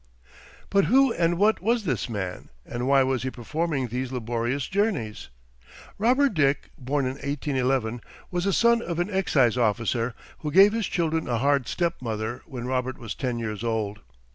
But who and what was this man, and why was he performing these laborious journeys? Robert Dick, born in 1811, was the son of an excise officer, who gave his children a hard stepmother when Robert was ten years old.